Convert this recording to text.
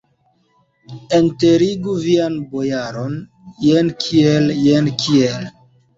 Enterigu vian bojaron, jen kiel, jen kiel!